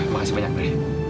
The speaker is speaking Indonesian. makasih banyak nuri